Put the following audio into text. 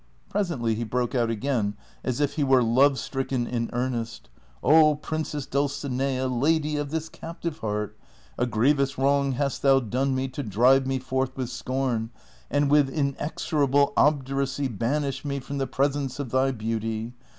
Presently he broke out again, as if he were love stricken in earnest, " 0 Princess Dvdcinea, lady of this captive heart, a grievous wrong hast thou done me to drive me forth with scorn, and with inexorable obduracy banish me from the presence of thy beauty.